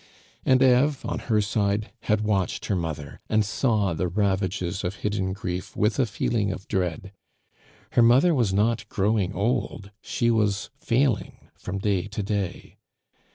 And Eve, on her side, had watched her mother, and saw the ravages of hidden grief with a feeling of dread; her mother was not growing old, she was failing from day to day.